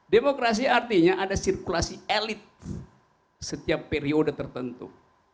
demokrasi artinya ada sirkulasi elit setiap periode tertentu